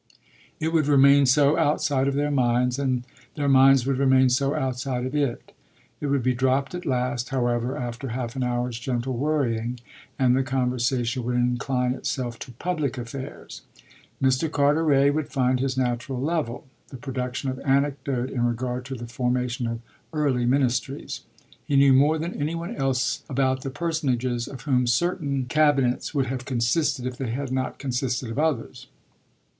It would remain so outside of their minds and their minds would remain so outside of it. It would be dropped at last, however, after half an hour's gentle worrying, and the conversation would incline itself to public affairs. Mr. Carteret would find his natural level the production of anecdote in regard to the formation of early ministries. He knew more than any one else about the personages of whom certain cabinets would have consisted if they had not consisted of others.